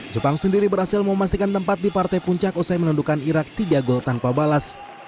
jepang sendiri berhasil memastikan tempat di partai puncak usai menundukan irak tiga gol tanpa balas